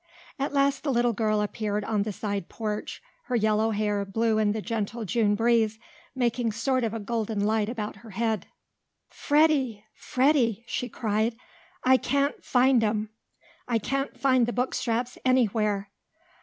At last the little girl appeared on the side porch. Her yellow hair blew in the gentle June breeze, making sort of a golden light about her head. "Freddie! Freddie!" she cried. "I can't find 'em! I can't find the book straps anywhere!"